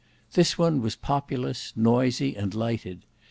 This one was populous, noisy, and lighted.